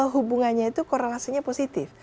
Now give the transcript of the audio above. hubungannya itu korelasinya positif